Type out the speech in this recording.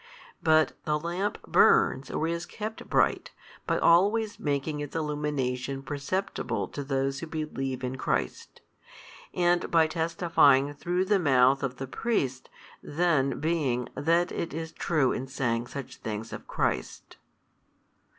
But the lamp burns or is kept bright, by always making its illumination perceptible to those who believe in Christ, and by testifying through the mouth of the Priests then being that it is true in saying such things of Christ.